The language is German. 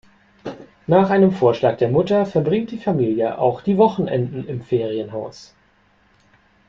Nach einem Vorschlag der Mutter verbringt die Familie auch die Wochenenden im Ferienhaus.